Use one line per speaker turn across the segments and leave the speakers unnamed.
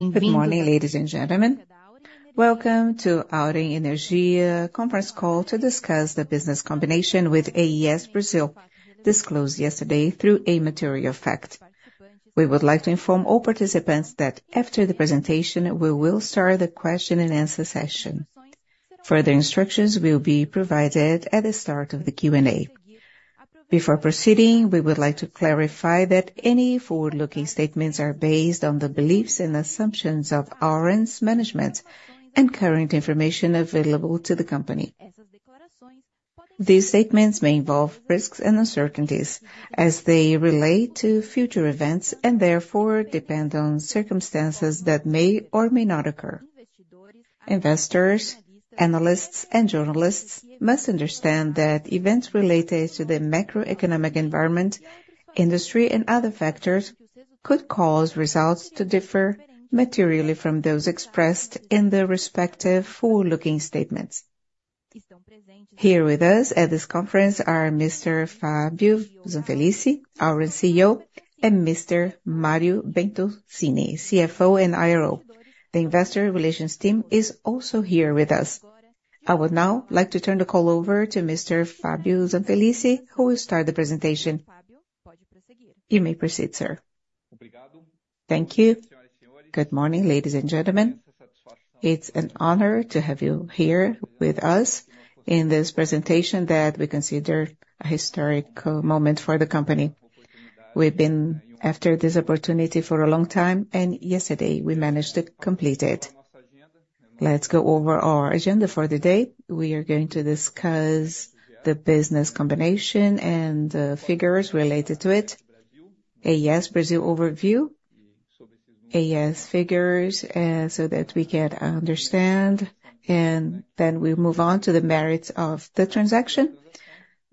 Good morning, ladies and gentlemen. Welcome to Auren Energia conference call to discuss the business combination with AES Brasil, disclosed yesterday through a material fact. We would like to inform all participants that after the presentation, we will start the question and answer session. Further instructions will be provided at the start of the Q&A. Before proceeding, we would like to clarify that any forward-looking statements are based on the beliefs and assumptions of Auren's management and current information available to the company. These statements may involve risks and uncertainties as they relate to future events, and therefore depend on circumstances that may or may not occur. Investors, analysts, and journalists must understand that events related to the macroeconomic environment, industry, and other factors could cause results to differ materially from those expressed in the respective forward-looking statements. Here with us at this conference are Mr. Fabio Zanfelice, Auren CEO, and Mr. Mario Bertoncini, CFO and IRO. The investor relations team is also here with us. I would now like to turn the call over to Mr. Fabio Zanfelice, who will start the presentation. You may proceed, sir.
Thank you. Good morning, ladies and gentlemen. It's an honor to have you here with us in this presentation that we consider a historic moment for the company. We've been after this opportunity for a long time, and yesterday we managed to complete it. Let's go over our agenda for the day. We are going to discuss the business combination and the figures related to it, AES Brasil overview, AES figures, so that we can understand, and then we'll move on to the merits of the transaction.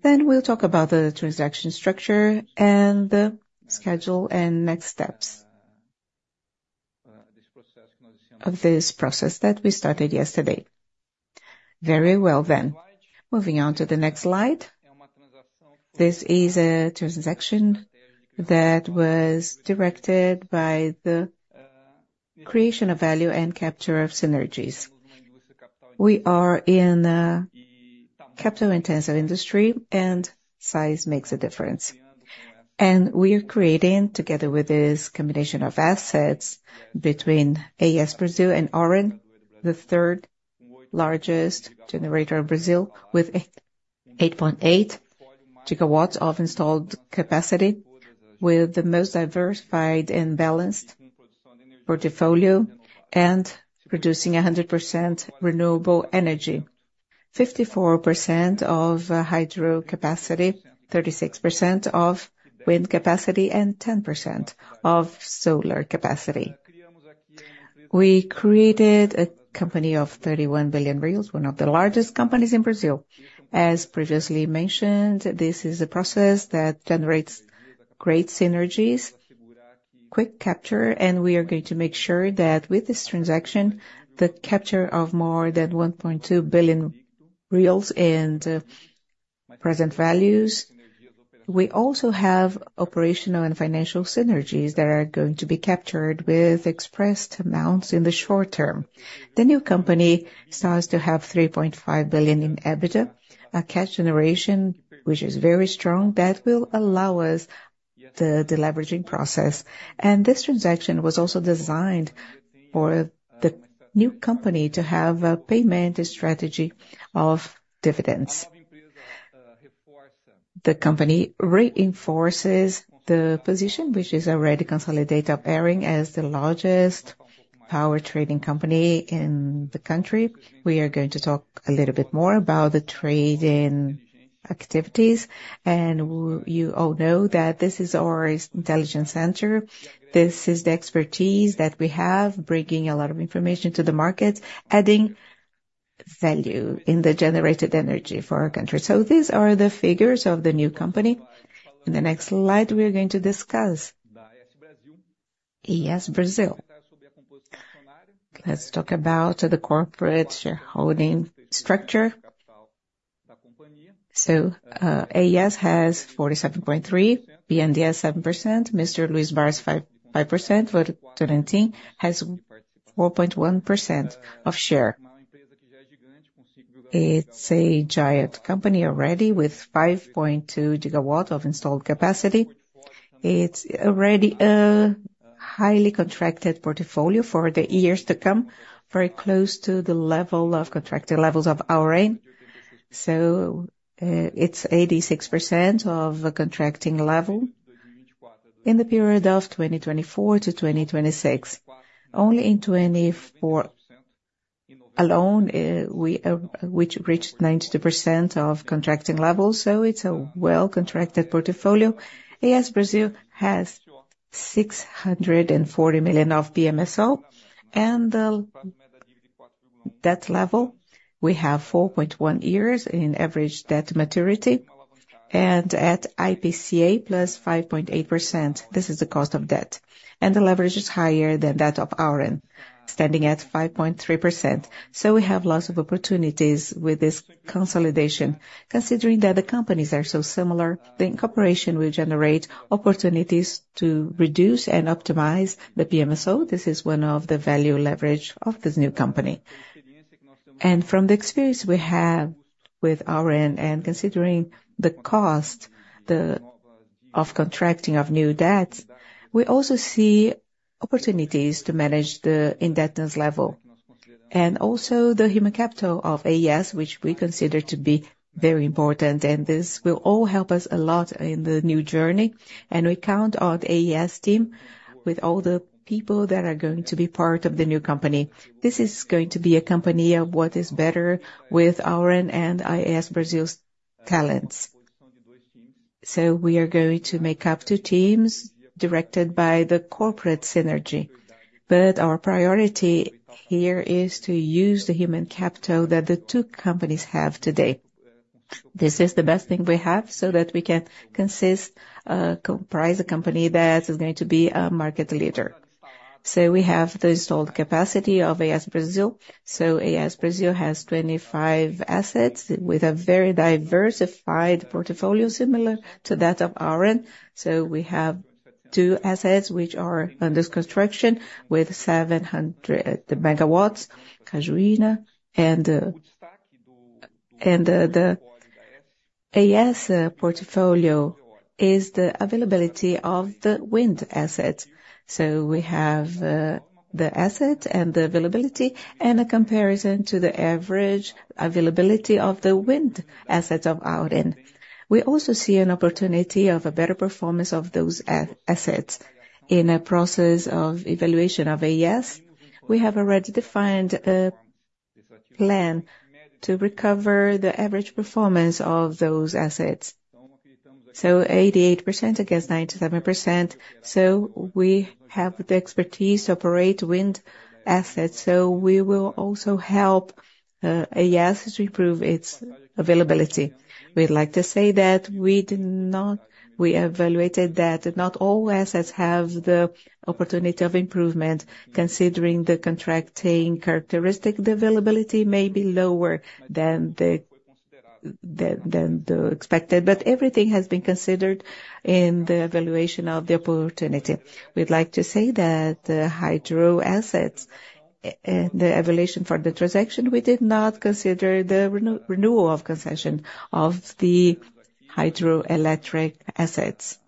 Then we'll talk about the transaction structure and the schedule and next steps of this process that we started yesterday. Very well, then. Moving on to the next slide. This is a transaction that was directed by the creation of value and capture of synergies. We are in a capital-intensive industry, and size makes a difference. And we are creating, together with this combination of assets between AES Brasil and Auren, the third largest generator in Brazil, with 8.8 gigawatts of installed capacity, with the most diversified and balanced portfolio, and producing 100% renewable energy: 54% of hydro capacity, 36% of wind capacity, and 10% of solar capacity. We created a company of 31 billion reais, one of the largest companies in Brazil. As previously mentioned, this is a process that generates great synergies, quick capture, and we are going to make sure that with this transaction, the capture of more than 1.2 billion in present values. We also have operational and financial synergies that are going to be captured with expressed amounts in the short term. The new company starts to have 3.5 billion in EBITDA, a cash generation, which is very strong, that will allow us the deleveraging process. This transaction was also designed for the new company to have a payment strategy of dividends. The company reinforces the position, which is already consolidated, appearing as the largest power trading company in the country. We are going to talk a little bit more about the trading activities, and you all know that this is our intelligence center. This is the expertise that we have, bringing a lot of information to the market, adding value in the generated energy for our country. So these are the figures of the new company. In the next slide, we are going to discuss AES Brasil. Let's talk about the corporate shareholding structure. So, AES has 47.3, BNDES, 7%, Mr. Luiz Barsi, 5.5%, Vale do Rio Doce has 4.1% of share. It's a giant company already, with 5.2 GW of installed capacity. It's already a highly contracted portfolio for the years to come, very close to the level of contracted levels of Auren. So, it's 86% of the contracting level in the period of 2024-2026. Only in 2024 alone, which reached 92% of contracting levels, so it's a well-contracted portfolio. AES Brasil has BRL 640 million of PMSO. The debt level, we have 4.1 years in average debt maturity, and at IPCA + 5.8%, this is the cost of debt, and the leverage is higher than that of Auren, standing at 5.3%. So we have lots of opportunities with this consolidation. Considering that the companies are so similar, the incorporation will generate opportunities to reduce and optimize the PMSO. This is one of the value leverage of this new company. From the experience we have with our end, and considering the cost of contracting of new debts, we also see opportunities to manage the indebtedness level. Also the human capital of AES, which we consider to be very important, and this will all help us a lot in the new journey. We count on the AES team with all the people that are going to be part of the new company. This is going to be a company of what is better with Auren and AES Brasil's talents. So we are going to make up two teams, directed by the corporate synergy. But our priority here is to use the human capital that the two companies have today. This is the best thing we have, so that we can consist, comprise a company that is going to be a market leader. So we have the installed capacity of AES Brasil. So AES Brasil has 25 assets with a very diversified portfolio, similar to that of Auren. So we have two assets which are under construction, with 700 MW, Cajuína. And, and the, the AES, portfolio is the availability of the wind asset. So we have, the asset and the availability, and a comparison to the average availability of the wind assets of Auren. We also see an opportunity of a better performance of those assets. In a process of evaluation of AES, we have already defined a plan to recover the average performance of those assets. So 88% against 97%, so we have the expertise to operate wind assets, so we will also help, AES to improve its availability. We'd like to say that we did not, we evaluated that not all assets have the opportunity of improvement, considering the contracting characteristic, the availability may be lower than the, than the expected. But everything has been considered in the evaluation of the opportunity. We'd like to say that the hydro assets, the evaluation for the transaction, we did not consider the renewal of concession of the hydroelectric assets.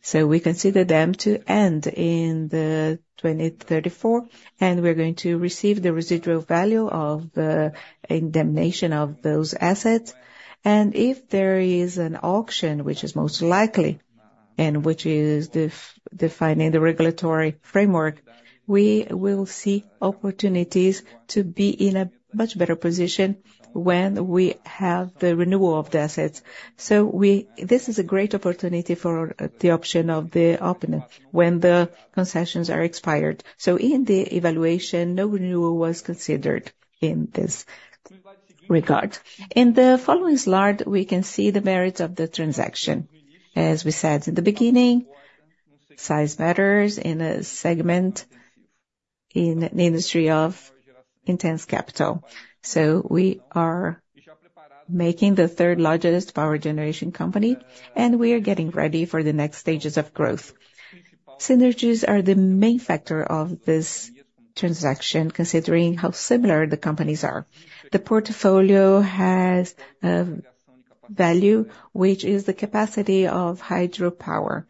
So we consider them to end in 2034, and we're going to receive the residual value of the indemnification of those assets. And if there is an auction, which is most likely, and which is defined in the regulatory framework, we will see opportunities to be in a much better position when we have the renewal of the assets. So we—this is a great opportunity for the option of the opponent, when the concessions are expired. So in the evaluation, no renewal was considered in this regard. In the following slide, we can see the merits of the transaction. As we said in the beginning, size matters in a segment, in an industry of intense capital. So we are making the third largest power generation company, and we are getting ready for the next stages of growth. Synergies are the main factor of this transaction, considering how similar the companies are. The portfolio has value, which is the capacity of hydropower,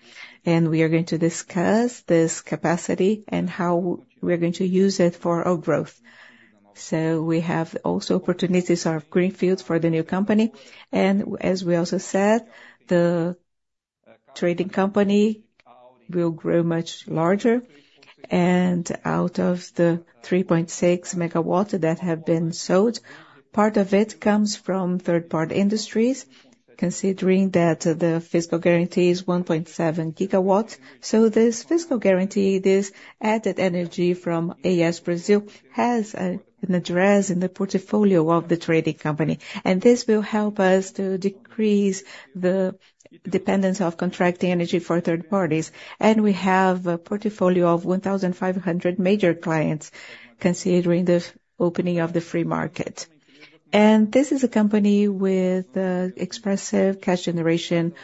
and we are going to discuss this capacity and how we are going to use it for our growth. So we have also opportunities of greenfields for the new company, and as we also said, the trading company will grow much larger. And out of the 3.6 megawatts that have been sold, part of it comes from third-party industries, considering that the fiscal guarantee is 1.7 gigawatts. So this fiscal guarantee, this added energy from AES Brasil, has an address in the portfolio of the trading company. This will help us to decrease the dependence of contracting energy for third parties. We have a portfolio of 1,500 major clients, considering the opening of the free market. This is a company with expressive cash generation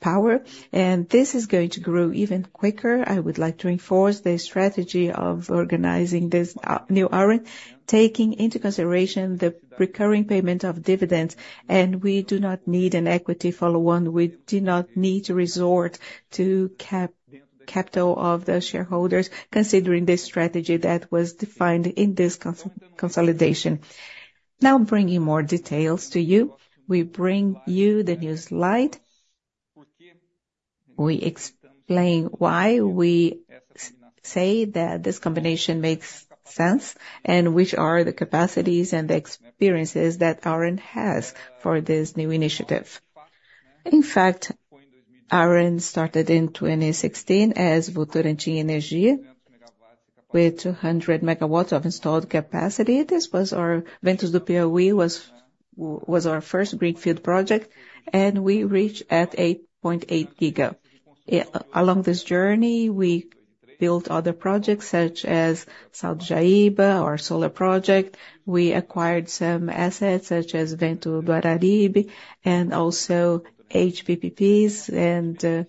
power, and this is going to grow even quicker. I would like to reinforce the strategy of organizing this new Auren, taking into consideration the recurring payment of dividends, and we do not need an equity follow-on. We do not need to resort to capital of the shareholders, considering the strategy that was defined in this consolidation. Now bringing more details to you, we bring you the new slide. We explain why we say that this combination makes sense, and which are the capacities and the experiences that Auren has for this new initiative. In fact, Auren started in 2016 as Votorantim Energia, with 200 megawatts of installed capacity. Ventos do Piauí was our first greenfield project, and we reached 8.8 GW. Along this journey, we built other projects such as Sol do Jaíba our solar project. We acquired some assets, such as Ventos do Araripe, and also HPPs. And,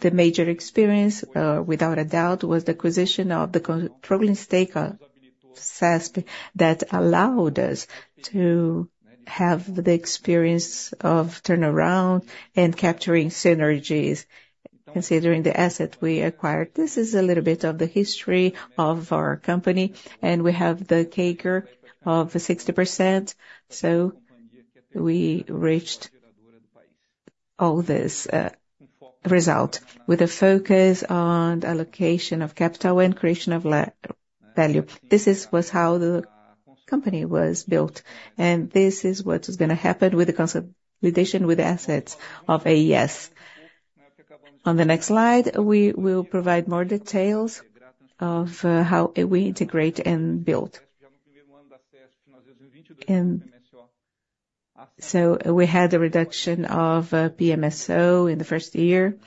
the major experience, without a doubt, was the acquisition of the controlling stake, CESP, that allowed us to have the experience of turnaround and capturing synergies, considering the asset we acquired. This is a little bit of the history of our company, and we have the CAGR of 60%, so we reached all this, result with a focus on allocation of capital and creation of value. This is how the company was built, and this is what is gonna happen with the consolidation with the assets of AES. On the next slide, we will provide more details of how we integrate and build. And so we had a reduction of PMSO in the first year,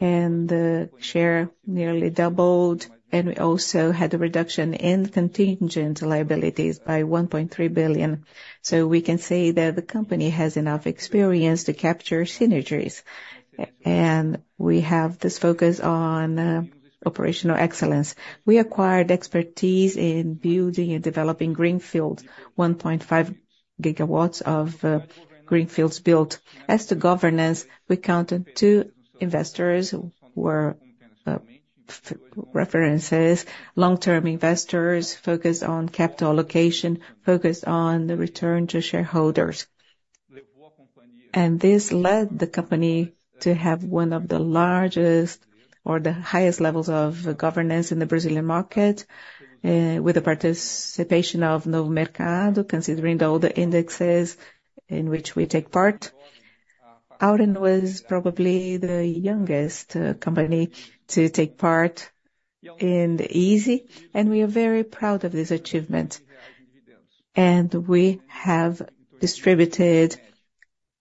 and the share nearly doubled, and we also had a reduction in contingent liabilities by 1.3 billion. So we can say that the company has enough experience to capture synergies, and we have this focus on operational excellence. We acquired expertise in building and developing greenfield, 1.5 gigawatts of greenfields built. As to governance, we counted two investors who were our references, long-term investors, focused on capital allocation, focused on the return to shareholders. This led the company to have one of the largest or the highest levels of governance in the Brazilian market, with the participation of Novo Mercado, considering all the indexes in which we take part. Auren was probably the youngest company to take part in the ISE, and we are very proud of this achievement. We have distributed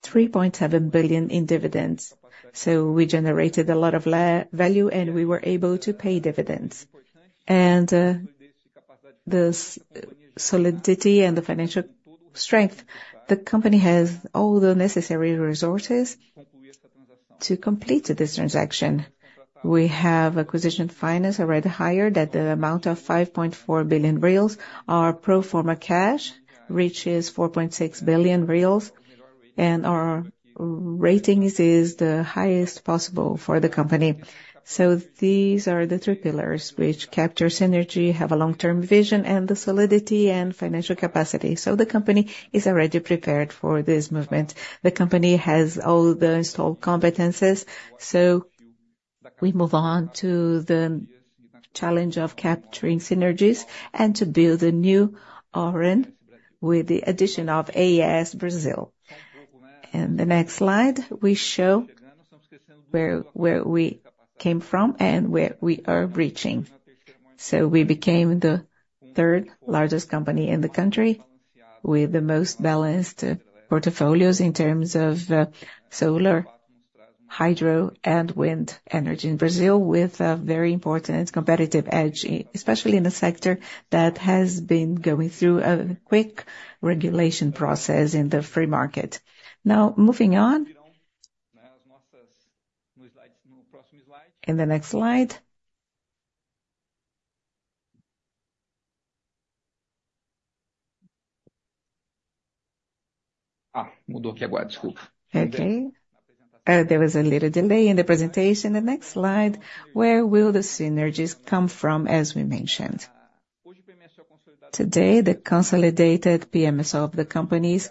3.7 billion in dividends, so we generated a lot of value, and we were able to pay dividends. This solidity and the financial strength, the company has all the necessary resources to complete this transaction. We have acquisition finance already hired at the amount of 5.4 billion reais. Our pro forma cash reaches 4.6 billion reais, and our ratings is the highest possible for the company. So these are the three pillars which capture synergy, have a long-term vision, and the solidity and financial capacity. So the company is already prepared for this movement. The company has all the installed competencies, so we move on to the challenge of capturing synergies and to build a new Auren with the addition of AES Brasil. In the next slide, we show where we came from and where we are reaching. So we became the third largest company in the country, with the most balanced portfolios in terms of solar, hydro, and wind energy in Brazil, with a very important competitive edge, especially in a sector that has been going through a quick regulation process in the free market. Now, moving on. In the next slide. Okay, there was a little delay in the presentation. The next slide, where will the synergies come from, as we mentioned? Today, the consolidated PMSO of the companies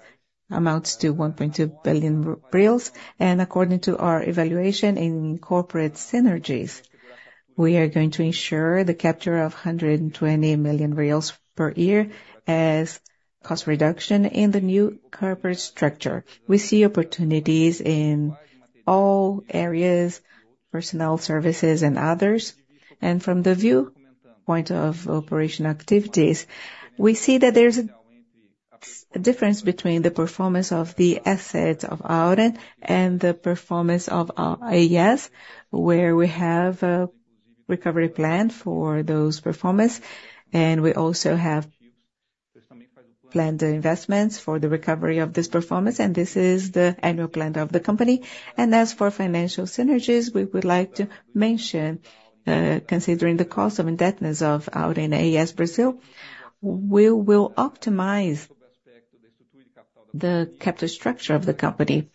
amounts to 1.2 billion reais, and according to our evaluation in corporate synergies, we are going to ensure the capture of 120 million reais per year as cost reduction in the new corporate structure. We see opportunities in all areas, personnel, services, and others. From the viewpoint of operation activities, we see that there's a difference between the performance of the assets of Auren and the performance of AES, where we have a recovery plan for those performance, and we also have planned investments for the recovery of this performance, and this is the annual plan of the company. As for financial synergies, we would like to mention, considering the cost of indebtedness of Auren-AES Brasil, we will optimize the capital structure of the company.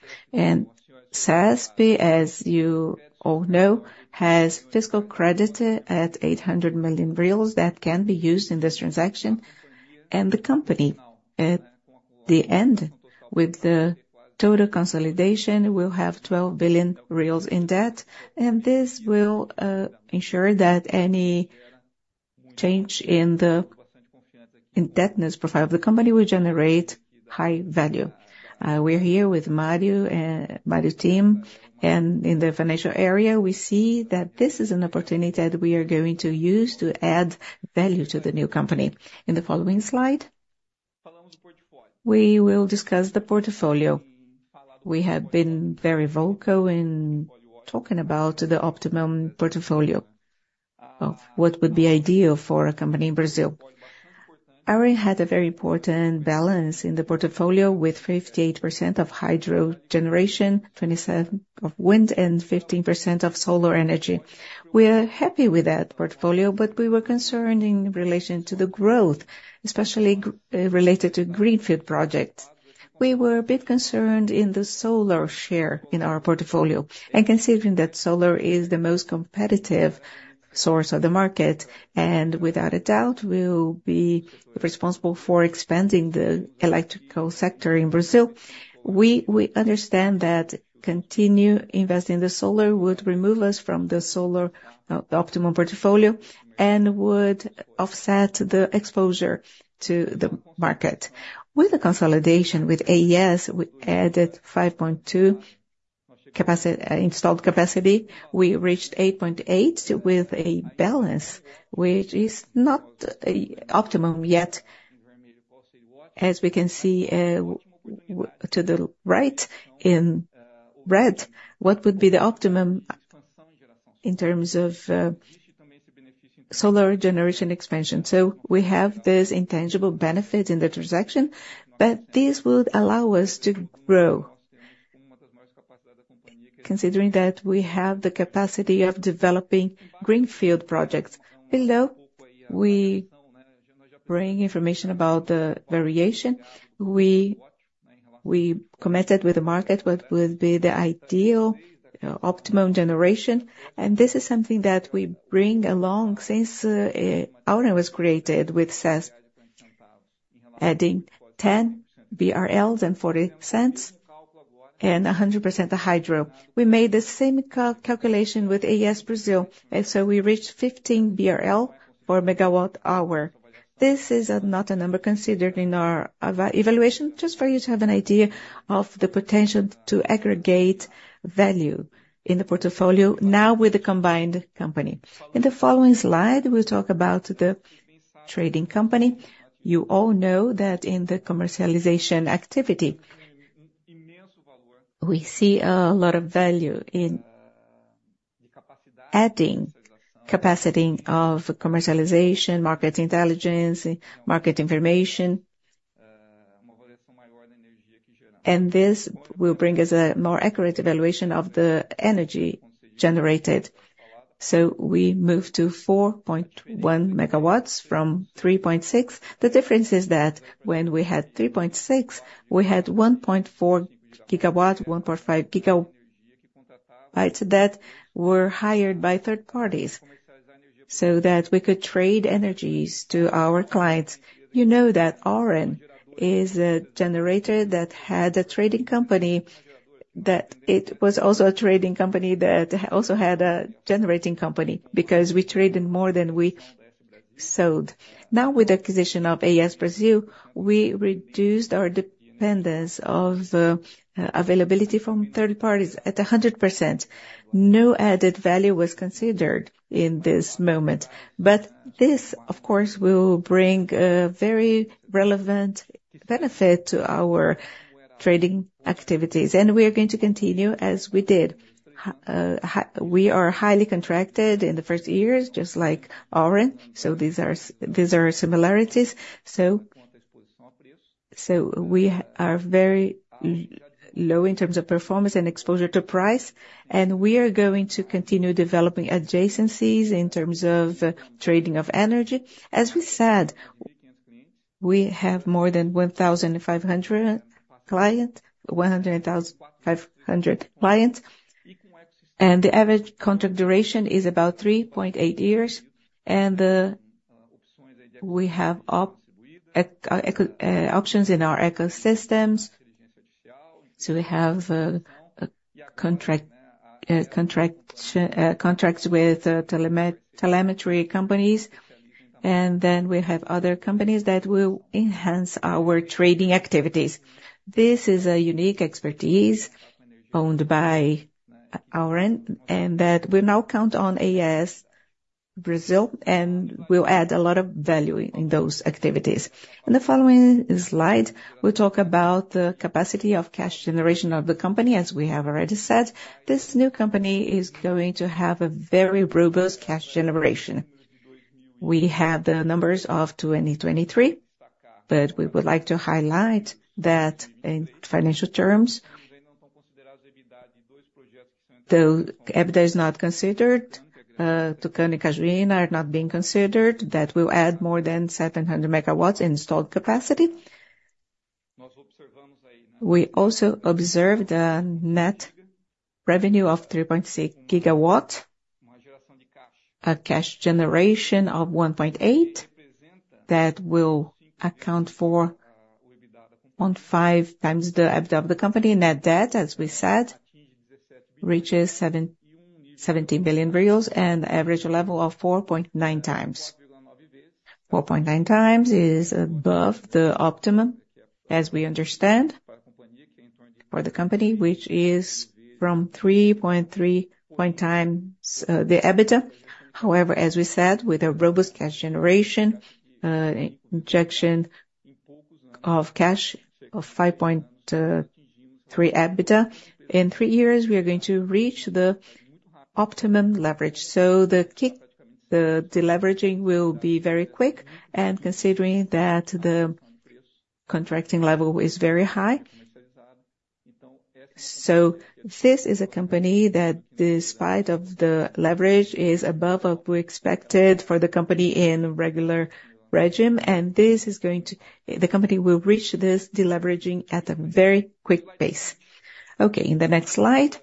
SASP, as you all know, has fiscal credit at 800 million reais that can be used in this transaction, and the company, at the end, with the total consolidation, will have 12 billion reais in debt, and this will ensure that any change in the indebtedness profile of the company will generate high value. We're here with Mario and Mario's team, and in the financial area, we see that this is an opportunity that we are going to use to add value to the new company. In the following slide. We will discuss the portfolio. We have been very vocal in talking about the optimum portfolio of what would be ideal for a company in Brazil. Already had a very important balance in the portfolio, with 58% of hydro generation, 27 of wind, and 15% of solar energy. We are happy with that portfolio, but we were concerned in relation to the growth, especially related to greenfield projects. We were a bit concerned in the solar share in our portfolio, and considering that solar is the most competitive source of the market, and without a doubt, will be responsible for expanding the electrical sector in Brazil. We, we understand that continue investing in the solar would remove us from the solar, the optimum portfolio, and would offset the exposure to the market. With the consolidation with AES, we added 5.2 installed capacity. We reached 8.8 with a balance, which is not a optimum yet. As we can see, to the right, in red, what would be the optimum in terms of, solar generation expansion? So we have this intangible benefit in the transaction, but this would allow us to grow, considering that we have the capacity of developing greenfield projects. Below, we bring information about the variation. We committed with the market what would be the ideal optimum generation, and this is something that we bring along since Auren was created, with CES adding 10.40 BRL, and 100% of hydro. We made the same calculation with AES Brasil, and so we reached 15 BRL for megawatt hour. This is not a number considered in our evaluation, just for you to have an idea of the potential to aggregate value in the portfolio, now with the combined company. In the following slide, we'll talk about the trading company. You all know that in the commercialization activity, we see a lot of value in adding capacity of commercialization, market intelligence, market information, and this will bring us a more accurate evaluation of the energy generated. So we moved to 4.1 MW from 3.6. The difference is that when we had 3.6, we had 1.4 GW, 1.5 GW, right, that were hired by third parties, so that we could trade energies to our clients. You know that Auren is a generator that had a trading company, that it was also a trading company that also had a generating company, because we traded more than we sold. Now, with the acquisition of AES Brasil, we reduced our dependence of, availability from third parties at a hundred percent. No added value was considered in this moment, but this, of course, will bring a very relevant benefit to our trading activities, and we are going to continue as we did. We are highly contracted in the first years, just like Auren, so these are, these are similarities. So, we are very low in terms of performance and exposure to price, and we are going to continue developing adjacencies in terms of trading of energy. As we said, we have more than 1,500 clients, 1,500 clients, and the average contract duration is about 3.8 years, and we have options in our ecosystems, so we have contracts with telemetry companies, and then we have other companies that will enhance our trading activities. This is a unique expertise owned by Auren, and that we now count on AES Brasil, and will add a lot of value in those activities. In the following slide, we talk about the capacity of cash generation of the company. As we have already said, this new company is going to have a very robust cash generation. We have the numbers of 2023, but we would like to highlight that in financial terms, the EBITDA is not considered, Tucano and Cajuína are not being considered. That will add more than 700 MW installed capacity. We also observed a net revenue of 3.6 GW, a cash generation of 1.8, that will account for on 5 times the EBITDA of the company. Net debt, as we said, reaches 70 billion and average level of 4.9 times. 4.9x is above the optimum, as we understand for the company, which is from 3.3x, the EBITDA. However, as we said, with a robust cash generation, injection of cash of 5.3 EBITDA, in 3 years, we are going to reach the optimum leverage. So the deleveraging will be very quick, and considering that the contracting level is very high. So this is a company that, despite of the leverage, is above what we expected for the company in regular regime, and the company will reach this deleveraging at a very quick pace. Okay, in the next slide.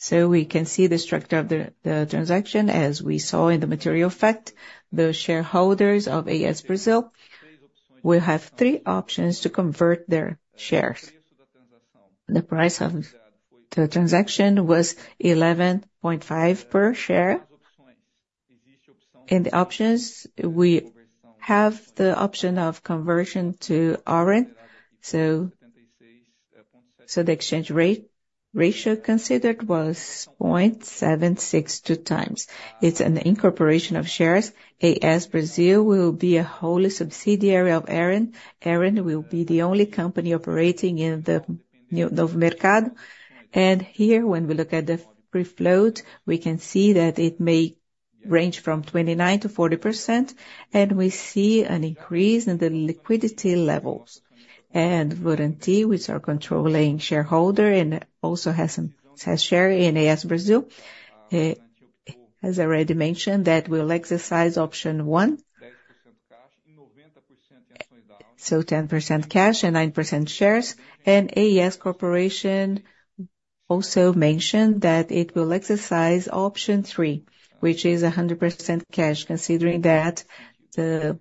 So we can see the structure of the transaction. As we saw in the material fact, the shareholders of AES Brasil will have 3 options to convert their shares. The price of the transaction was 11.5 per share. In the options, we have the option of conversion to Auren, the exchange ratio considered was 0.762 times. It's an incorporation of shares. AES Brasil will be a wholly subsidiary of Auren. Auren will be the only company operating in the Novo Mercado. Here, when we look at the free float, we can see that it may range from 29%-40%, and we see an increase in the liquidity levels. Garanty, which are controlling shareholder and also has some shares in AES Brasil, as I already mentioned, that will exercise option one. So 10% cash and 9% shares, and AES Corporation also mentioned that it will exercise option three, which is 100% cash, considering that the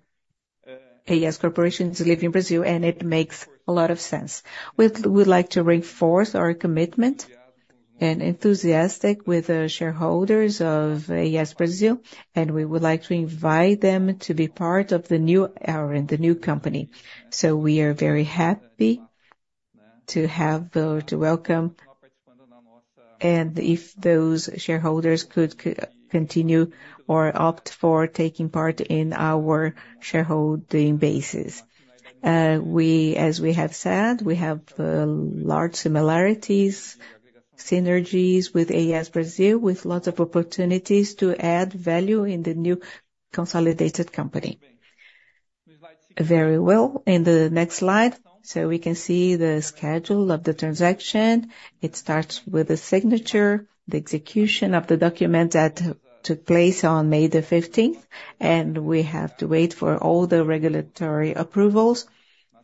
AES Corporation is leaving Brazil, and it makes a lot of sense. We'd, we'd like to reinforce our commitment and enthusiastic with the shareholders of AES Brasil, and we would like to invite them to be part of the new era, in the new company. So we are very happy to have, to welcome, and if those shareholders could continue or opt for taking part in our shareholding basis. As we have said, we have large similarities, synergies with AES Brasil, with lots of opportunities to add value in the new consolidated company. Very well. In the next slide, so we can see the schedule of the transaction. It starts with the signature, the execution of the document that took place on May the fifteenth, and we have to wait for all the regulatory approvals,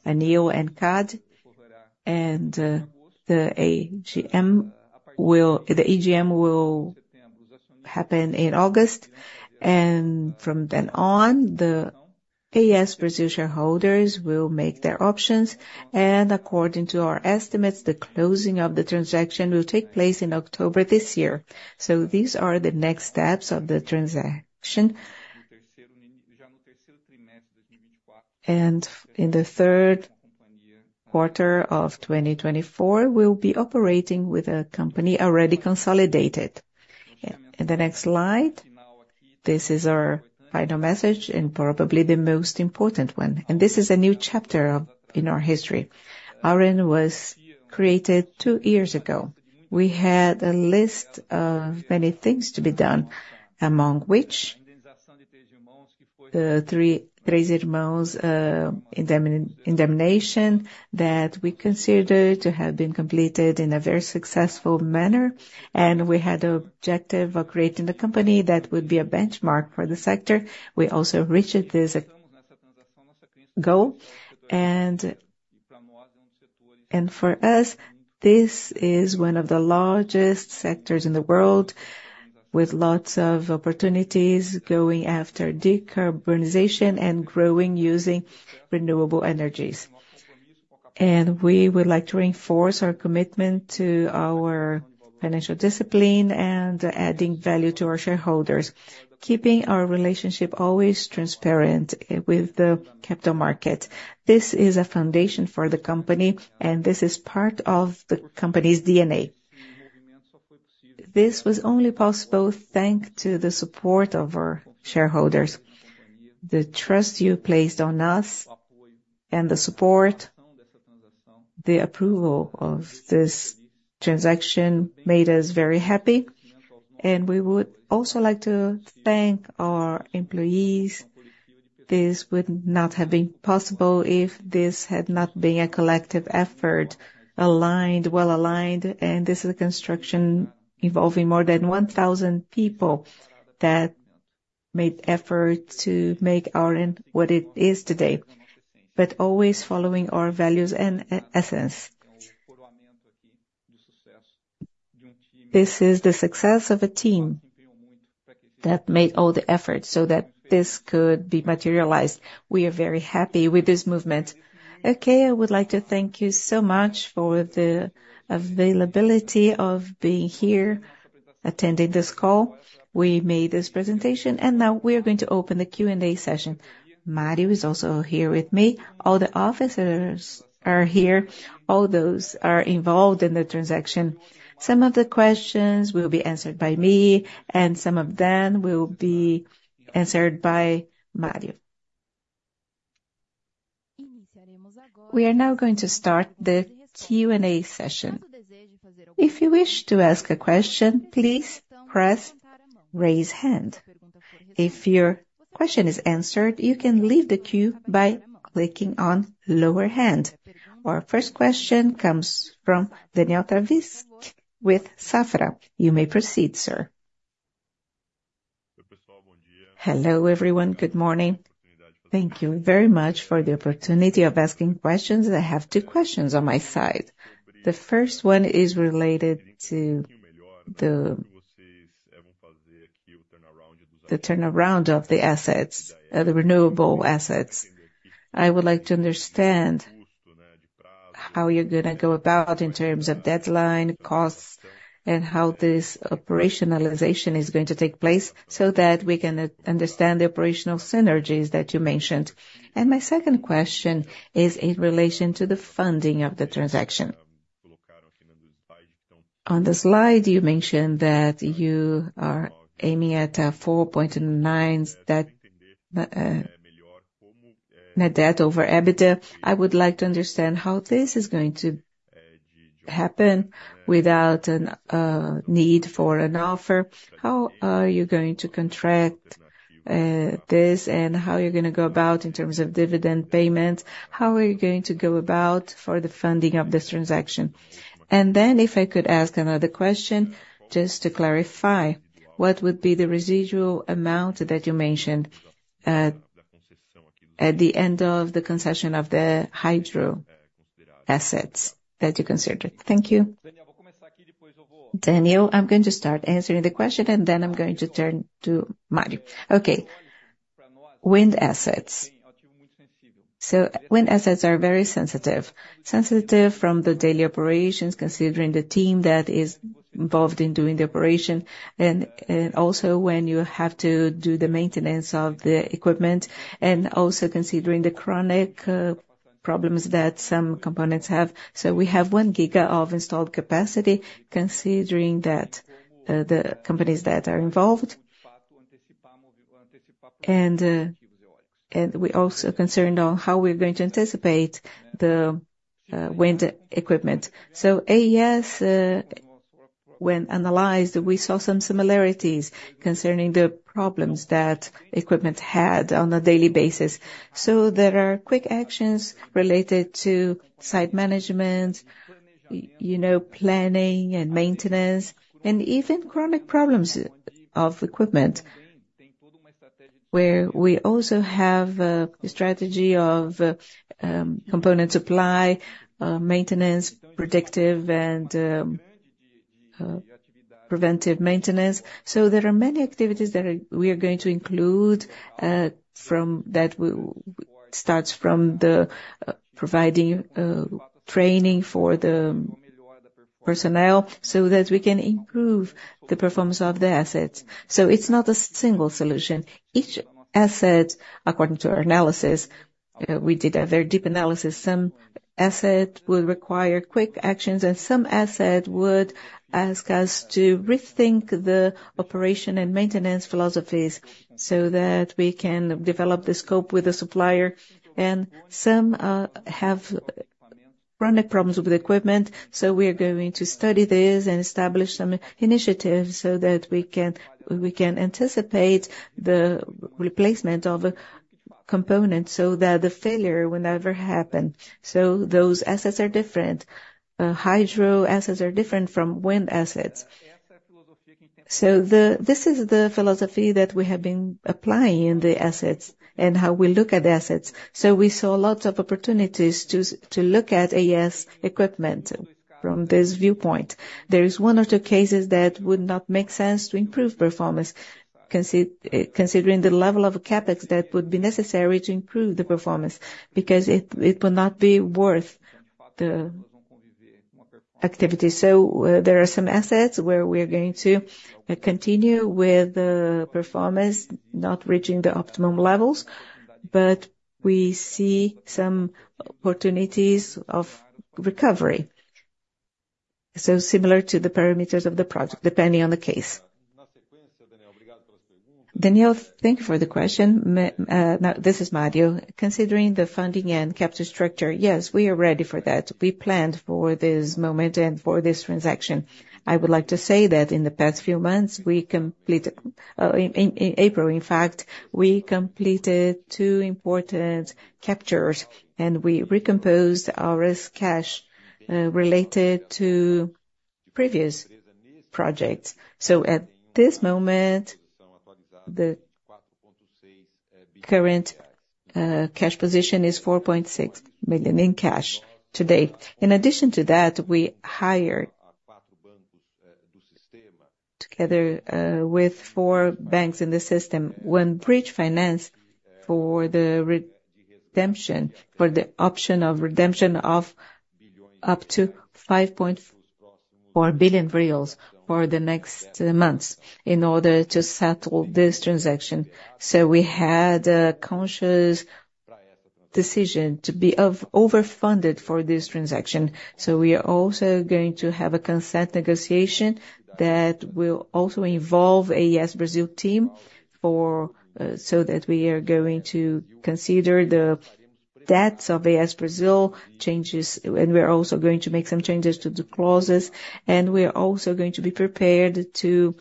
Aneel and CADE. And the AGM will happen in August, and from then on, the AES Brasil shareholders will make their options. And according to our estimates, the closing of the transaction will take place in October this year. So these are the next steps of the transaction. And in the third quarter of 2024, we'll be operating with a company already consolidated. In the next slide, this is our final message, and probably the most important one. And this is a new chapter of, in our history. Auren was created two years ago. We had a list of many things to be done, among which, the three Três Irmãos indemnification that we considered to have been completed in a very successful manner, and we had an objective of creating a company that would be a benchmark for the sector. We also reached this goal. And for us, this is one of the largest sectors in the world, with lots of opportunities going after decarbonization and growing using renewable energies. We would like to reinforce our commitment to our financial discipline and adding value to our shareholders, keeping our relationship always transparent with the capital market. This is a foundation for the company, and this is part of the company's DNA. This was only possible thanks to the support of our shareholders. The trust you placed on us and the support, the approval of this transaction made us very happy, and we would also like to thank our employees. This would not have been possible if this had not been a collective effort, aligned, well aligned, and this is a construction involving more than 1,000 people that made effort to make Auren what it is today, but always following our values and essence. This is the success of a team that made all the efforts so that this could be materialized. We are very happy with this movement. Okay, I would like to thank you so much for the availability of being here attending this call. We made this presentation, and now we're going to open the Q&A session. Mario is also here with me. All the officers are here, all those are involved in the transaction. Some of the questions will be answered by me, and some of them will be answered by Mario. We are now going to start the Q&A session.
If you wish to ask a question, please press Raise Hand. If your question is answered, you can leave the queue by clicking on Lower Hand. Our first question comes from Daniel Travitzky with Safra. You may proceed, sir.
Hello, everyone. Good morning. Thank you very much for the opportunity of asking questions. I have two questions on my side. The first one is related to the turnaround of the assets, the renewable assets. I would like to understand how you're gonna go about in terms of deadline, costs, and how this operationalization is going to take place, so that we can understand the operational synergies that you mentioned. My second question is in relation to the funding of the transaction. On the slide, you mentioned that you are aiming at 4.9 debt, net debt over EBITDA. I would like to understand how this is going to happen without a need for an offer. How are you going to contract this, and how you're gonna go about in terms of dividend payments? How are you going to go about for the funding of this transaction? And then, if I could ask another question, just to clarify, what would be the residual amount that you mentioned at the end of the concession of the hydro assets that you considered? Thank you.
Daniel, I'm going to start answering the question, and then I'm going to turn to Mario. Okay. Wind assets. So wind assets are very sensitive. Sensitive from the daily operations, considering the team that is involved in doing the operation, and also when you have to do the maintenance of the equipment, and also considering the chronic problems that some components have. So we have 1 giga of installed capacity, considering that the companies that are involved. And we're also concerned on how we're going to anticipate the wind equipment. So AES, when analyzed, we saw some similarities concerning the problems that equipment had on a daily basis. So there are quick actions related to site management, you know, planning and maintenance, and even chronic problems of equipment, where we also have the strategy of component supply maintenance, predictive, and preventive maintenance. So there are many activities that we are going to include, from providing training for the personnel, so that we can improve the performance of the assets. So it's not a single solution. Each asset, according to our analysis, we did a very deep analysis; some asset will require quick actions, and some asset would ask us to rethink the operation and maintenance philosophies, so that we can develop the scope with the supplier. And some have chronic problems with the equipment, so we are going to study this and establish some initiatives so that we can anticipate the replacement of a component, so that the failure will never happen. So those assets are different. Hydro assets are different from wind assets. So this is the philosophy that we have been applying in the assets and how we look at assets. So we saw lots of opportunities to look at AES assets from this viewpoint. There is one or two cases that would not make sense to improve performance, considering the level of CapEx that would be necessary to improve the performance, because it would not be worth the activity. So there are some assets where we are going to continue with the performance not reaching the optimum levels, but we see some opportunities of recovery. So similar to the parameters of the project, depending on the case. Daniel, thank you for the question.
Now, this is Mario. Considering the funding and capital structure, yes, we are ready for that. We planned for this moment and for this transaction. I would like to say that in the past few months, we completed in April, in fact, two important captures, and we recomposed our risk cash related to previous projects. So at this moment, the current cash position is 4.6 million in cash today. In addition to that, we hired together with four banks in the system one bridge finance for the redemption, for the option of redemption of up to 5.4 billion reais for the next months in order to settle this transaction. So we had a conscious decision to be overfunded for this transaction. So we are also going to have a consent negotiation that will also involve AES Brasil team for, so that we are going to consider the debts of AES Brasil changes, and we're also going to make some changes to the clauses, and we're also going to be prepared to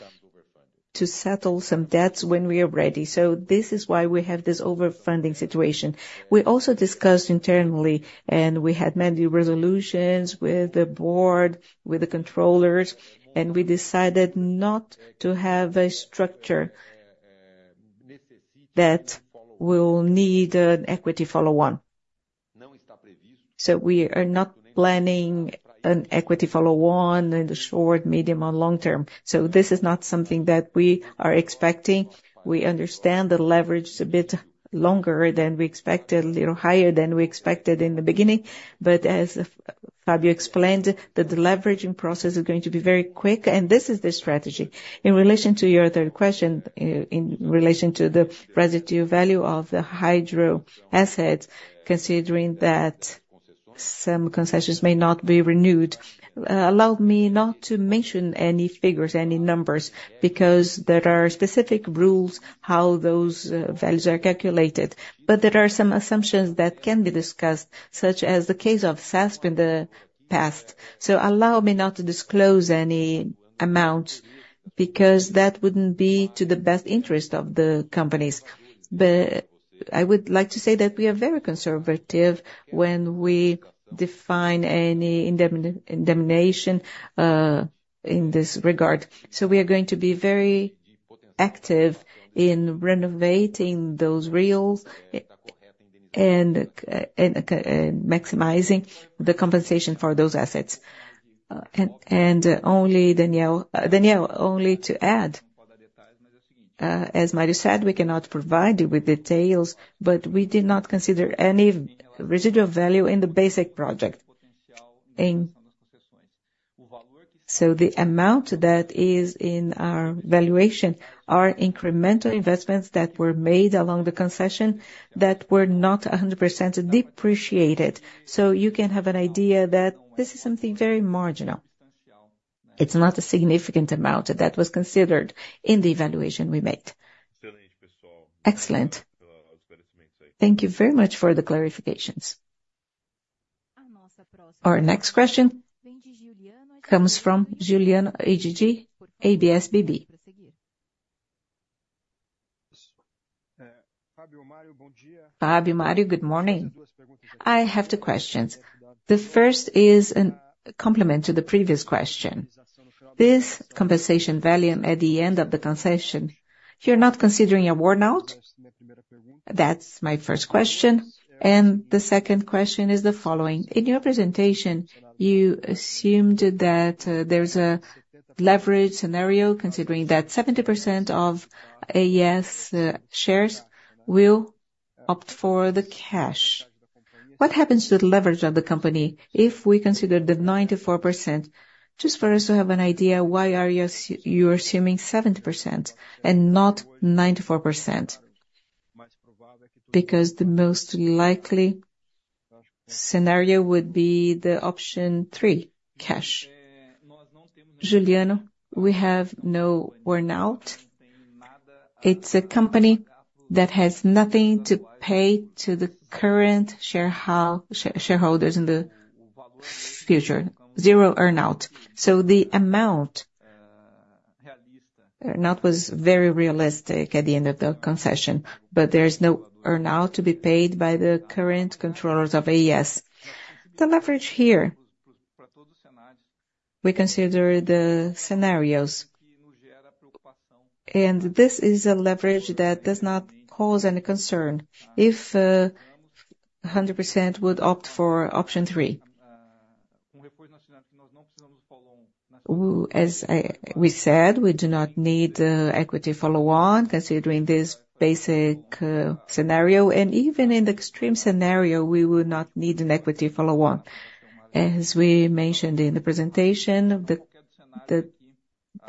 settle some debts when we are ready. So this is why we have this overfunding situation. We also discussed internally, and we had many resolutions with the board, with the controllers, and we decided not to have a structure that will need an equity follow-on. So we are not planning an equity follow-on in the short, medium, or long term. So this is not something that we are expecting. We understand the leverage is a bit longer than we expected, a little higher than we expected in the beginning, but as Fabio explained, that the leveraging process is going to be very quick, and this is the strategy. In relation to your third question, in relation to the residual value of the hydro assets, considering that some concessions may not be renewed, allow me not to mention any figures, any numbers, because there are specific rules how those values are calculated. But there are some assumptions that can be discussed, such as the case of SAS in the past. So allow me not to disclose any amounts, because that wouldn't be to the best interest of the companies. But I would like to say that we are very conservative when we define any indemnification in this regard. So we are going to be very active in renovating those reels and maximizing the compensation for those assets. And only Daniel, only to add, as Mario said, we cannot provide you with details, but we did not consider any residual value in the basic project. So the amount that is in our valuation are incremental investments that were made along the concession, that were not 100% depreciated. So you can have an idea that this is something very marginal. It's not a significant amount that was considered in the evaluation we made.
Excellent. Thank you very much for the clarifications.
Our next question comes from Giuliano Ajeje, UBSBB. Fabio, Mario, good morning. I have two questions. The first is a complement to the previous question.
This compensation value at the end of the concession, you're not considering an earn-out? That's my first question. The second question is the following: In your presentation, you assumed that there's a leverage scenario, considering that 70% of AES shares will opt for the cash. What happens to the leverage of the company if we consider the 94%? Just for us to have an idea, why are you assuming 70% and not 94%? Because the most likely scenario would be the option three, cash.
Giuliano, we have no earn-out. It's a company that has nothing to pay to the current shareholders in the future. Zero earn-out. So the amount earn-out was very realistic at the end of the concession, but there is no earn-out to be paid by the current controllers of AES. The leverage here, we consider the scenarios, and this is a leverage that does not cause any concern if 100% would opt for option three. As we said, we do not need equity follow-on, considering this basic scenario, and even in the extreme scenario, we would not need an equity follow-on. As we mentioned in the presentation, the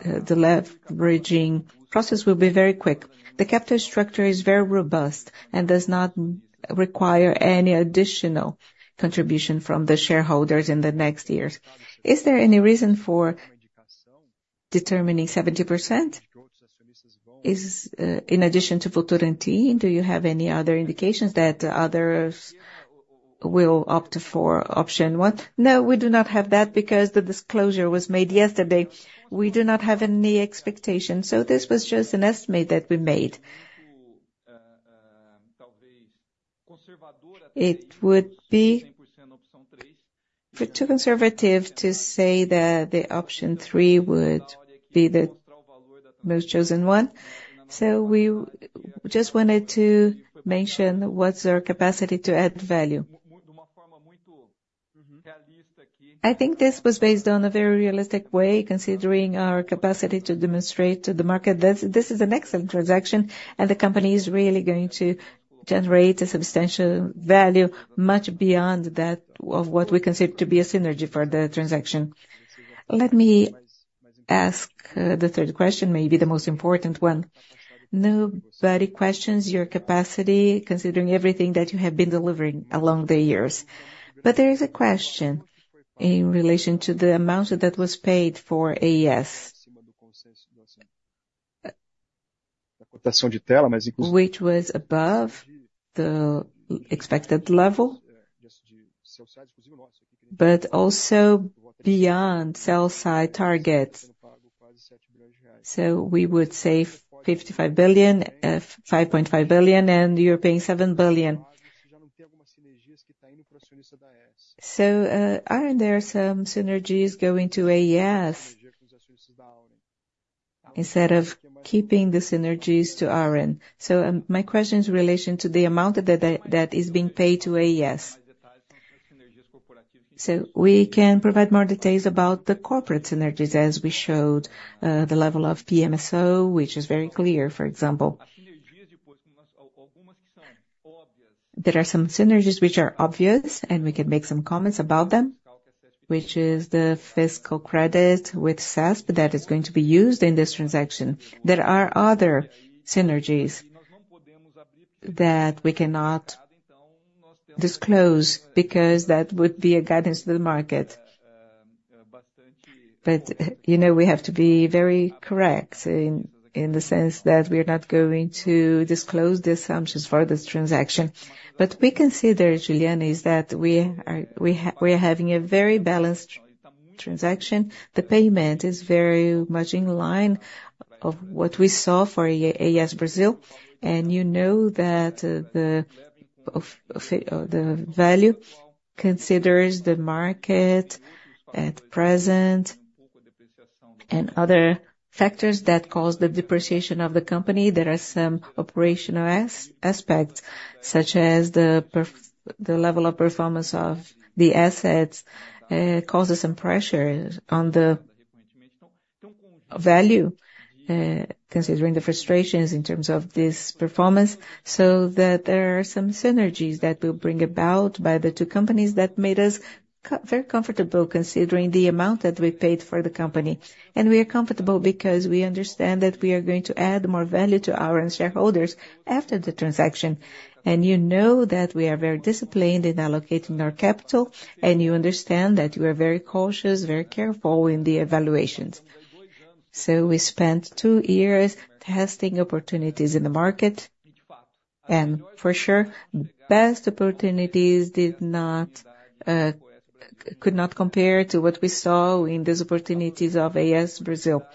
leveraging process will be very quick. The capital structure is very robust and does not require any additional contribution from the shareholders in the next years.
Is there any reason for determining 70%? Is, in addition to Futuro-e T, do you have any other indications that others will opt for option one?
No, we do not have that because the disclosure was made yesterday. We do not have any expectations, so this was just an estimate that we made. It would be far too conservative to say that the option 3 would be the most chosen one. So we just wanted to mention what's our capacity to add value. I think this was based on a very realistic way, considering our capacity to demonstrate to the market that this is an excellent transaction, and the company is really going to generate a substantial value much beyond that of what we consider to be a synergy for the transaction. Let me ask, the third question, maybe the most important one. Nobody questions your capacity, considering everything that you have been delivering along the years. But there is a question in relation to the amount that was paid for AES, which was above the expected level, but also beyond sell side targets. So we would save 5.5 billion, and you're paying 7 billion. So, aren't there some synergies going to AES, instead of keeping the synergies to RN? So, my question is in relation to the amount that is being paid to AES. So we can provide more details about the corporate synergies, as we showed, the level of PMSO, which is very clear, for example. There are some synergies which are obvious, and we can make some comments about them, which is the fiscal credit with CESP that is going to be used in this transaction. There are other synergies that we cannot disclose, because that would be a guidance to the market. But, you know, we have to be very correct in the sense that we are not going to disclose the assumptions for this transaction. But we consider, Julian, that we are having a very balanced transaction. The payment is very much in line of what we saw for AES Brasil, and you know that the value considers the market at present, and other factors that cause the depreciation of the company. There are some operational aspects, such as the level of performance of the assets, causes some pressure on the value, considering the frustrations in terms of this performance, so that there are some synergies that will bring about by the two companies that made us very comfortable, considering the amount that we paid for the company. And we are comfortable because we understand that we are going to add more value to our shareholders after the transaction. And you know that we are very disciplined in allocating our capital, and you understand that we are very cautious, very careful in the evaluations. So we spent two years testing opportunities in the market, and for sure, best opportunities did not could not compare to what we saw in these opportunities of AES Brasil.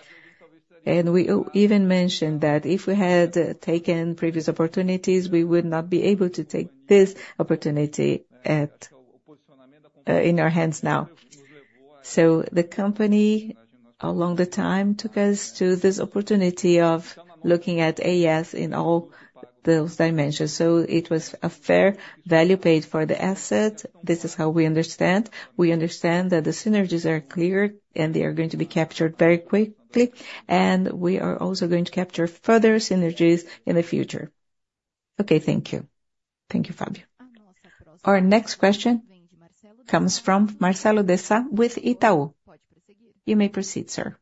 And we even mentioned that if we had taken previous opportunities, we would not be able to take this opportunity at in our hands now. So the company, along the time, took us to this opportunity of looking at AES in all those dimensions. So it was a fair value paid for the asset. This is how we understand. We understand that the synergies are clear, and they are going to be captured very quickly, and we are also going to capture further synergies in the future.
Okay, thank you. Thank you, Fabio.
Our next question comes from Marcelo Desa with Itaú. You may proceed, sir.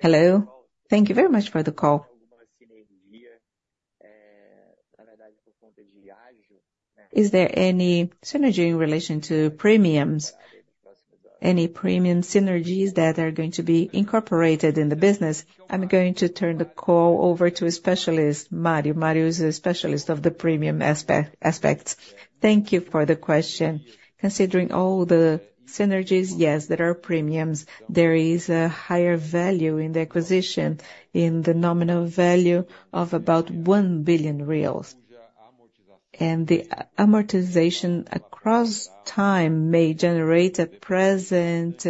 Hello, thank you very much for the call. Is there any synergy in relation to premiums, any premium synergies that are going to be incorporated in the business?
I'm going to turn the call over to a specialist, Mario. Mario is a specialist of the premium aspects.
Thank you for the question. Considering all the synergies, yes, there are premiums. There is a higher value in the acquisition, in the nominal value of about 1 billion reais. And the amortization across time may generate a present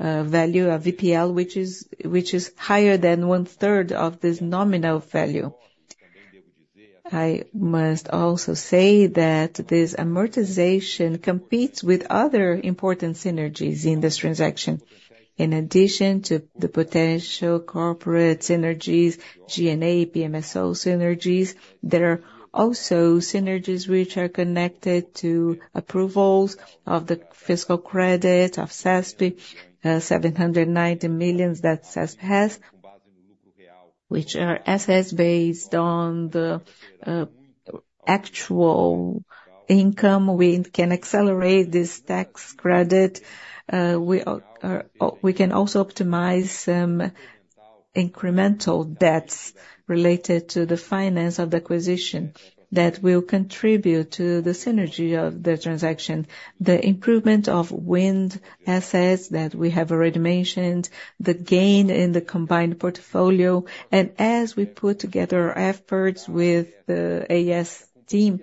value, a VPL, which is higher than one-third of this nominal value. I must also say that this amortization competes with other important synergies in this transaction. In addition to the potential corporate synergies, G&A, PMSO synergies, there are also synergies which are connected to approvals of the fiscal credit of CESP, 790 million that CESP has, which are assets based on the actual income. We can accelerate this tax credit. We can also optimize some incremental debts related to the finance of the acquisition that will contribute to the synergy of the transaction. The improvement of wind assets that we have already mentioned, the gain in the combined portfolio, and as we put together efforts with the AES team,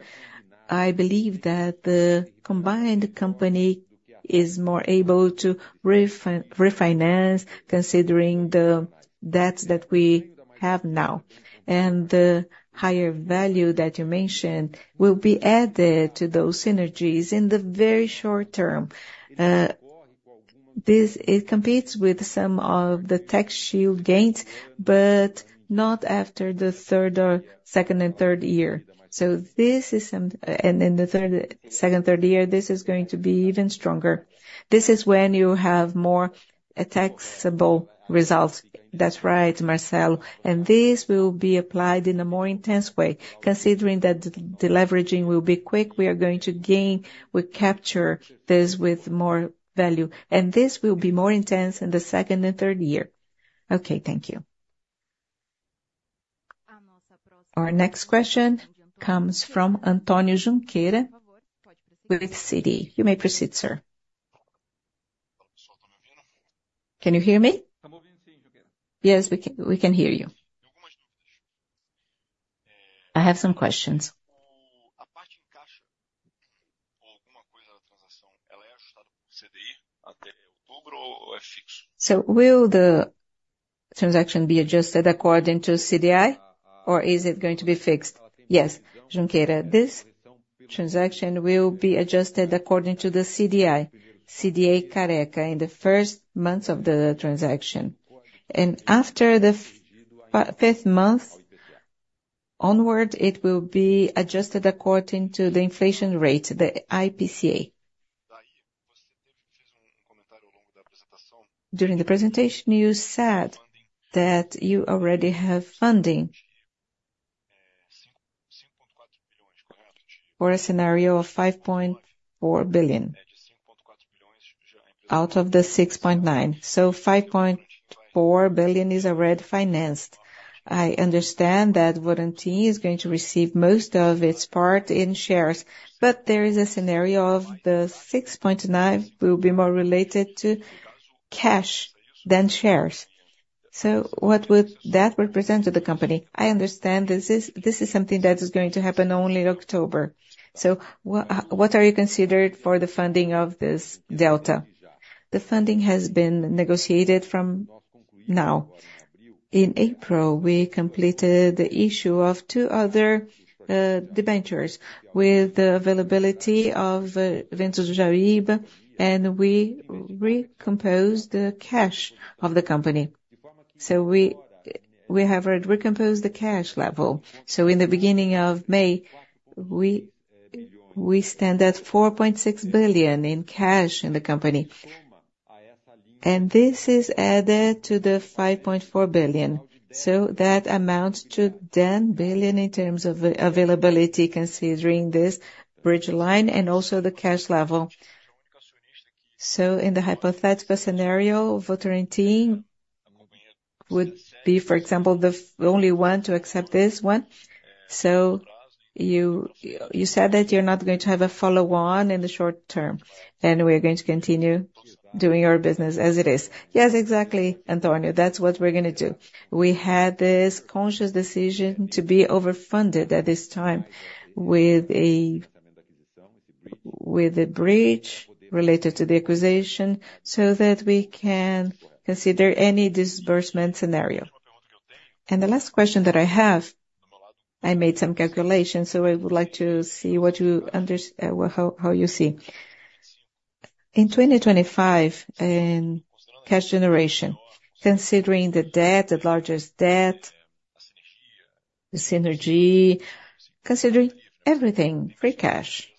I believe that the combined company is more able to refinance, considering the debts that we have now. And the higher value that you mentioned will be added to those synergies in the very short term. This, it competes with some of the tax shield gains, but not after the third or second and third year. So this is, and in the second, third year, this is going to be even stronger. This is when you have more taxable results.
That's right, Marcelo, and this will be applied in a more intense way. Considering that deleveraging will be quick, we are going to gain, we capture this with more value, and this will be more intense in the second and third year.
Okay, thank you.
Our next question comes from Tony Junqueira with Citi. You may proceed, sir.
Can you hear me? Yes, we can, we can hear you. I have some questions. So will the transaction be adjusted according to CDI, or is it going to be fixed? Yes, Junqueira, this transaction will be adjusted according to the CDI, CDI careca, in the first months of the transaction. After the fifth month onward, it will be adjusted according to the inflation rate, the IPCA. During the presentation, you said that you already have funding for a scenario of 5.4 billion, out of the 6.9 billion. So 5.4 billion is already financed. I understand that Votorantim is going to receive most of its part in shares, but there is a scenario of the 6.9 billion will be more related to cash than shares. So what would that represent to the company? I understand this is, this is something that is going to happen only in October. So what are you considered for the funding of this delta? The funding has been negotiated from now. In April, we completed the issue of two other debentures with the availability of Ventos do Jaíba, and we recomposed the cash of the company. So we, we have already recomposed the cash level. So in the beginning of May, we, we stand at 4.6 billion in cash in the company. And this is added to the 5.4 billion. So that amounts to 10 billion in terms of availability, considering this bridge line and also the cash level. So in the hypothetical scenario, Votorantim would be, for example, the only one to accept this one. So you, you said that you're not going to have a follow-on in the short term, and we're going to continue doing our business as it is. Yes, exactly, Antonio. That's what we're gonna do. We had this conscious decision to be overfunded at this time with a bridge related to the acquisition, so that we can consider any disbursement scenario. The last question that I have, I made some calculations, so I would like to see what you well, how you see. In 2025, in cash generation, considering the debt, the largest debt, the synergy, considering everything, free cash,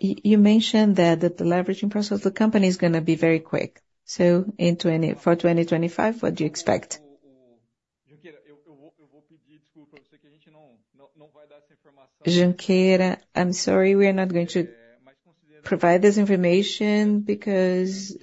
you mentioned that the deleveraging process of the company is gonna be very quick.
So in 2025, what do you expect? Junqueira, I'm sorry, we are not going to provide this information because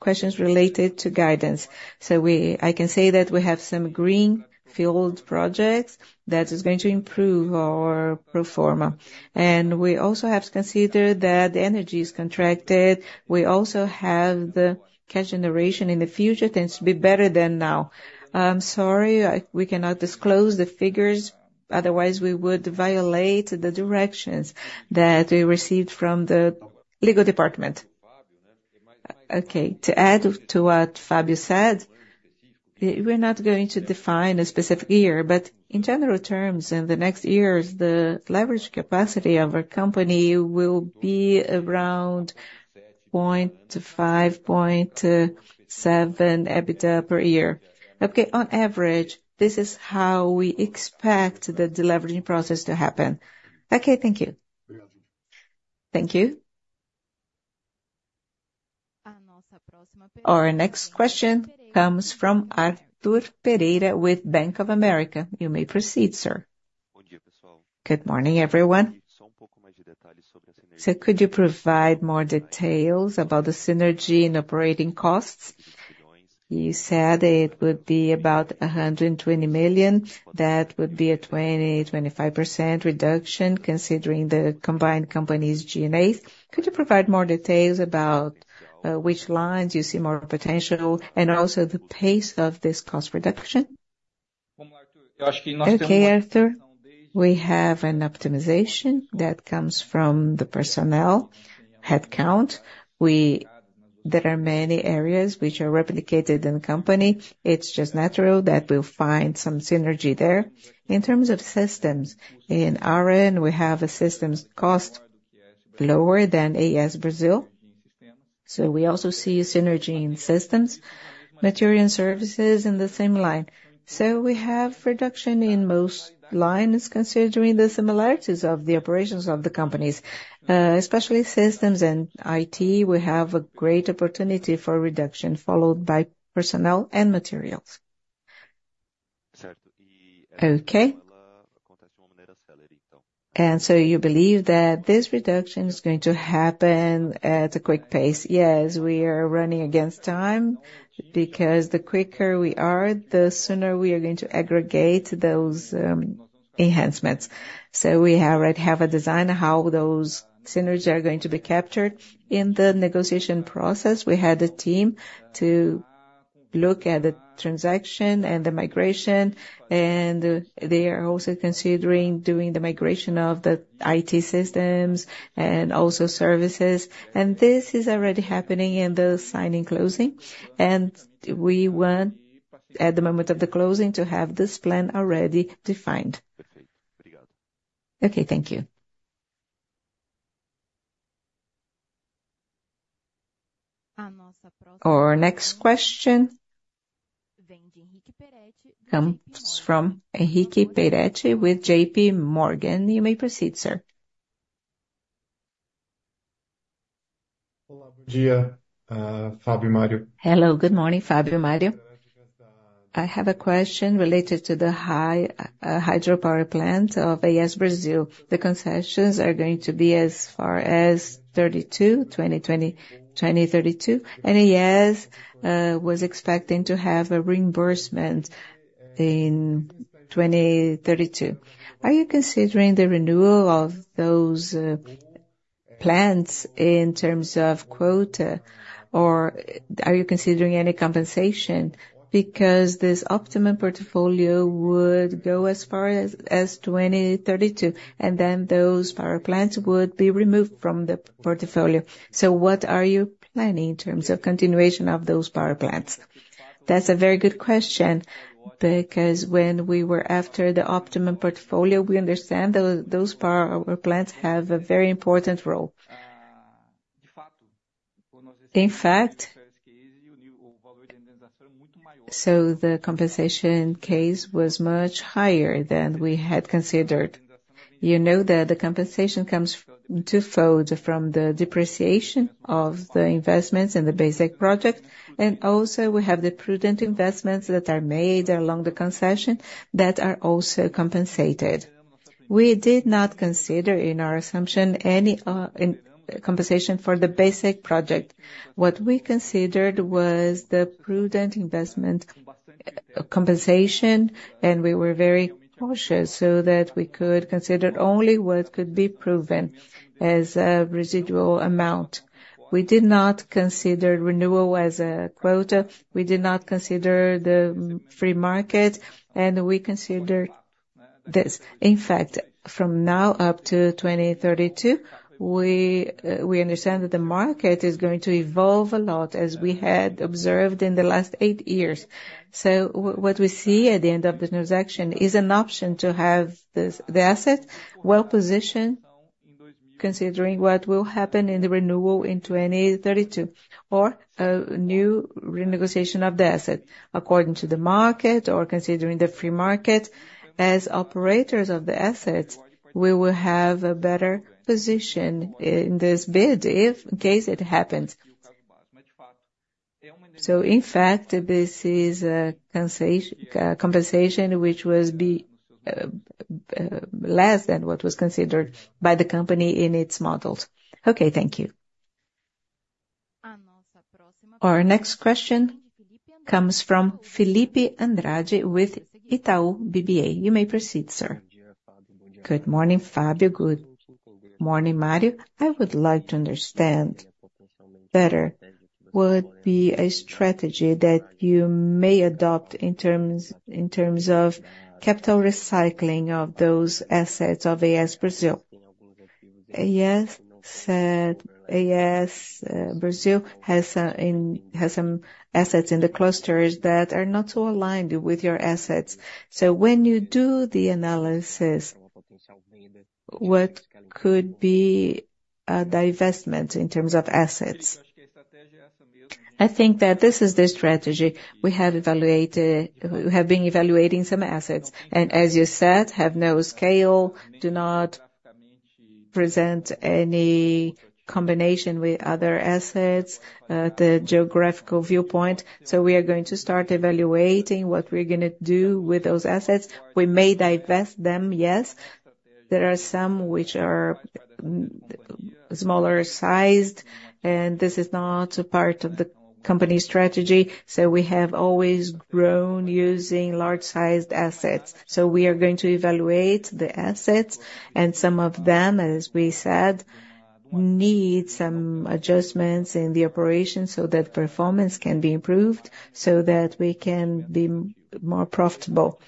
questions related to guidance. So we—I can say that we have some green field projects that is going to improve our pro forma. And we also have to consider that the energy is contracted. We also have the cash generation in the future tends to be better than now. I'm sorry, we cannot disclose the figures, otherwise we would violate the directions that we received from the legal department. Okay, to add to what Fabio said, we're not going to define a specific year, but in general terms, in the next years, the leverage capacity of our company will be around 0.5-0.7 EBITDA per year. Okay, on average, this is how we expect the deleveraging process to happen.
Okay, thank you.
Thank you. Our next question comes from Arthur Pereira with Bank of America. You may proceed, sir.
Good morning, everyone. So could you provide more details about the synergy in operating costs? You said it would be about 120 million. That would be a 20%-25% reduction, considering the combined company's GNAs. Could you provide more details about, which lines you see more potential and also the pace of this cost reduction?
Okay, Arthur, we have an optimization that comes from the personnel headcount. There are many areas which are replicated in the company. It's just natural that we'll find some synergy there. In terms of systems, in RN, we have a systems cost lower than AES Brazil. So we also see synergy in systems, material and services in the same line. So we have reduction in most lines, considering the similarities of the operations of the companies, especially systems and IT, we have a great opportunity for reduction, followed by personnel and materials.
Okay? And so you believe that this reduction is going to happen at a quick pace?
Yes, we are running against time, because the quicker we are, the sooner we are going to aggregate those enhancements. So we already have a design, how those synergies are going to be captured. In the negotiation process, we had a team to look at the transaction and the migration, and they are also considering doing the migration of the IT systems and also services. And this is already happening in the signing closing, and we want, at the moment of the closing, to have this plan already defined.
Okay, thank you. Our next question comes from Henrique Peretti with J.P. Morgan. You may proceed, sir.
Hello, good morning, Fabio, Mario. I have a question related to the high hydropower plant of AES Brasil. The concessions are going to be as far as 32, 2020-2032, and AES was expecting to have a reimbursement in 2032. Are you considering the renewal of those plants in terms of quota, or are you considering any compensation? Because this optimum portfolio would go as far as 2032, and then those power plants would be removed from the portfolio. So what are you planning in terms of continuation of those power plants?
That's a very good question, because when we were after the optimum portfolio, we understand that those power plants have a very important role. In fact, so the compensation case was much higher than we had considered. You know that the compensation comes twofold from the depreciation of the investments in the basic project, and also we have the prudent investments that are made along the concession that are also compensated. We did not consider, in our assumption, any in compensation for the basic project. What we considered was the prudent investment compensation, and we were very cautious so that we could consider only what could be proven as a residual amount. We did not consider renewal as a quota, we did not consider the free market, and we considered this. In fact, from now up to 2032, we understand that the market is going to evolve a lot, as we had observed in the last 8 years. So what we see at the end of the transaction is an option to have this, the asset well-positioned, considering what will happen in the renewal in 2032, or a new renegotiation of the asset according to the market or considering the free market. As operators of the assets, we will have a better position in this bid if in case it happens. So in fact, this is a compensation which was be less than what was considered by the company in its models.
Okay, thank you. Our next question comes from Fillipe Andrade with Itaú BBA. You may proceed, sir.
Good morning, Fabio. Good morning, Mario. I would like to understand better, would be a strategy that you may adopt in terms, in terms of capital recycling of those assets of AES Brasil. AES said, AES Brasil has some assets in the clusters that are not so aligned with your assets. So when you do the analysis, what could be a divestment in terms of assets?
I think that this is the strategy. We have been evaluating some assets, and as you said, have no scale, do not present any combination with other assets, the geographical viewpoint. So we are going to start evaluating what we're gonna do with those assets. We may divest them, yes. There are some which are smaller sized, and this is not a part of the company's strategy. So we have always grown using large-sized assets. So we are going to evaluate the assets, and some of them, as we said- Need some adjustments in the operation so that performance can be improved, so that we can be more profitable.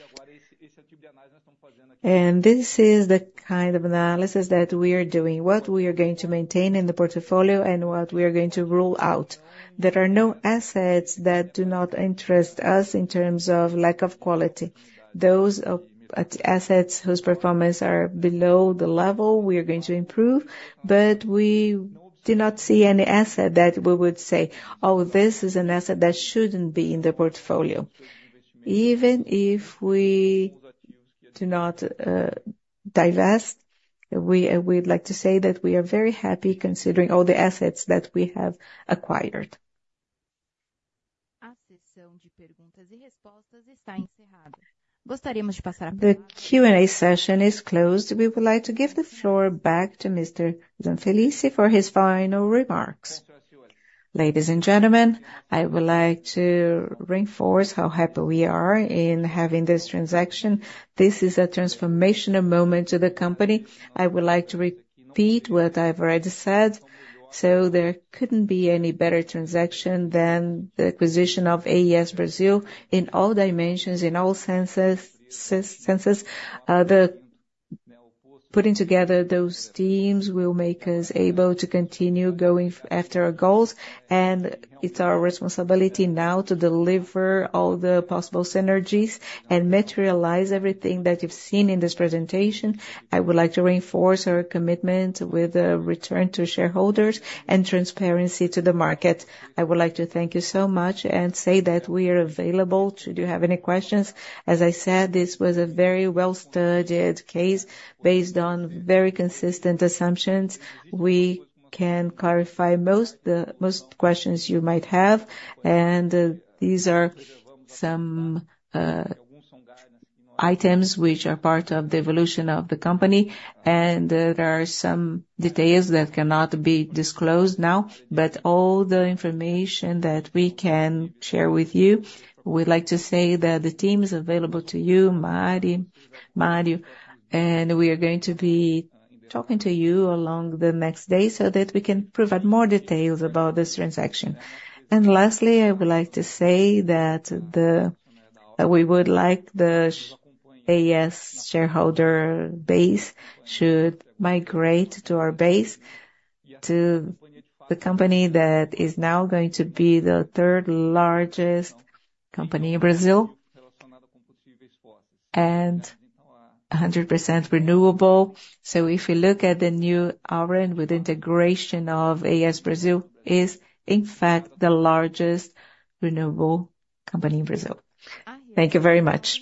This is the kind of analysis that we are doing, what we are going to maintain in the portfolio and what we are going to rule out. There are no assets that do not interest us in terms of lack of quality. Those assets whose performance are below the level we are going to improve, but we do not see any asset that we would say, "Oh, this is an asset that shouldn't be in the portfolio." Even if we do not divest, we'd like to say that we are very happy considering all the assets that we have acquired.
The Q&A session is closed. We would like to give the floor back to Mr. Zanfelice for his final remarks.
Ladies and gentlemen, I would like to reinforce how happy we are in having this transaction. This is a transformational moment to the company. I would like to repeat what I've already said. So there couldn't be any better transaction than the acquisition of AES Brasil in all dimensions, in all senses. The putting together those teams will make us able to continue going after our goals, and it's our responsibility now to deliver all the possible synergies and materialize everything that you've seen in this presentation. I would like to reinforce our commitment with a return to shareholders and transparency to the market. I would like to thank you so much and say that we are available should you have any questions. As I said, this was a very well-studied case based on very consistent assumptions. We can clarify most questions you might have, and these are some items which are part of the evolution of the company, and there are some details that cannot be disclosed now. But all the information that we can share with you, we'd like to say that the team is available to you, Mari, Mario, and we are going to be talking to you along the next day so that we can provide more details about this transaction. Lastly, I would like to say that we would like the AES shareholder base should migrate to our base, to the company that is now going to be the third largest company in Brazil, and 100% renewable. So if you look at the new Auren with integration of AES Brasil is, in fact, the largest renewable company in Brazil. Thank you very much!